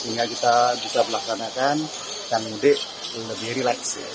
sehingga kita bisa melakukan kan lebih relax